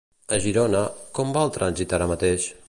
A Girona, com va el trànsit ara mateix?